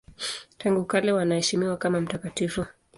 Tangu kale wanaheshimiwa kama mtakatifu.